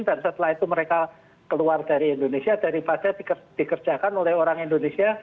dan setelah itu mereka keluar dari indonesia daripada dikerjakan oleh orang indonesia